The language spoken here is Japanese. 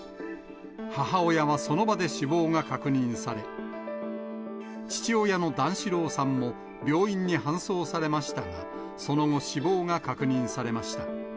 母親はその場で死亡が確認され、父親の段四郎さんも病院に搬送されましたが、その後、死亡が確認されました。